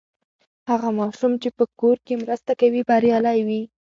هغه ماشوم چې په کور کې مرسته کوي، بریالی وي.